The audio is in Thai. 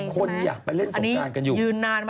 คนอยากไปใช่ไหม